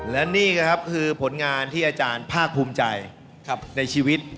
และนี่นะครับคือผลงานที่อาจารย์ภาคภูมิใจในชีวิต